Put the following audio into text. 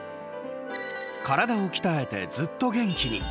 体を鍛えてずっと元気に。